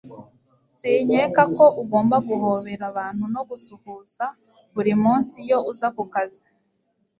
sinkeka ko ugomba guhobera abantu no gusuhuza buri munsi iyo uza ku kazi